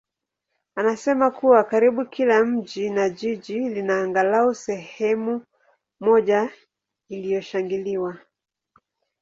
anasema kuwa karibu kila mji na jiji lina angalau sehemu moja iliyoshangiliwa.